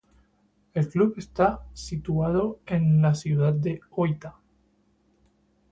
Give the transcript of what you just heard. El club está situado en la ciudad de Ōita.